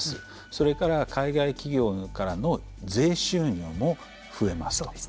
それから海外企業からの税収入も増えます。